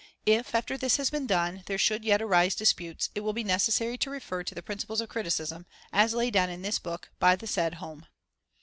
If after this has been done, there should yet arise disputes, it will be necessary to refer to the principles of criticism, as laid down in his book by the said Home.